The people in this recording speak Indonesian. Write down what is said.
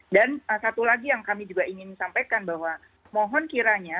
satu lagi yang kami juga ingin sampaikan bahwa mohon kiranya